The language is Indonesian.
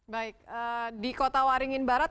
baik di kota waringin barat